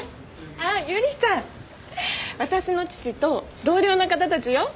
私の父と同僚の方たちよ